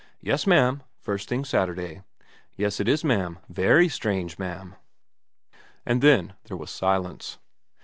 4 Yes, ma'am, first thing Saturday.' ' Yes, it is, ma'am very strange, ma'am.' And then there was silence.